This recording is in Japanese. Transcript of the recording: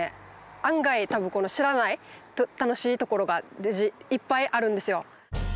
案外多分知らない楽しいところがでじいっぱいあるんですよ。